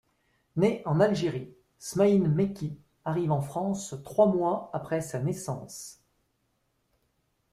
Né en Algérie, Smaïl Mekki arrive en France trois mois après sa naissance.